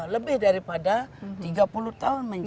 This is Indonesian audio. lebih daripada tiga puluh tahun menjadi